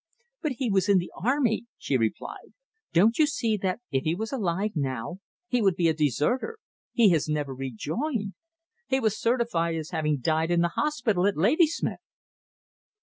"But he was in the army," she replied. "Don't you see that if he was alive now, he would be a deserter. He has never rejoined. He was certified as having died in the hospital at Ladysmith!"